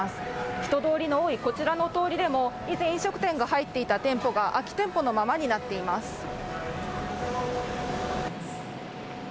人通りの多いこちらの通りでも、以前、飲食店が入っていた店舗が空き店舗のままになっています。